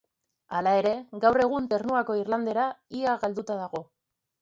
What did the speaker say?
Hala ere, gaur egun Ternuako irlandera ia galduta dago.